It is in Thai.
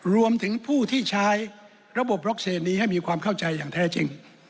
รวมถึงผู้ที่ใช้ระบบล็อกเซนนี้ให้มีความเข้าใจอย่างแท้จริง